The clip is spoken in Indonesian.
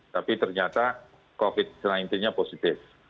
tapi ternyata covid sembilan belas nya positif